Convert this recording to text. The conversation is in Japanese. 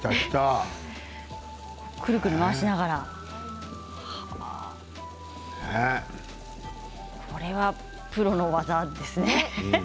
くるくる回しながらこれはプロの技ですね。